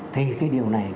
thì cái điều này